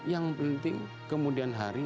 yang penting kemudian hari